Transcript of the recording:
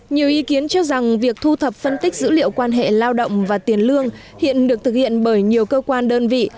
nhiều ý kiến cho rằng việc thu thập phân tích dữ liệu quan hệ lao động và tiền lương hiện được thực hiện bởi nhiều cơ quan đơn vị